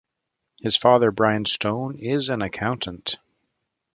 His father, Bryan Stone, is an accountant.